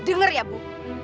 dengar ya bu